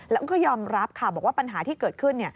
แล้วก็ยอมรับค่ะบอกว่าปัญหาที่เกิดขึ้น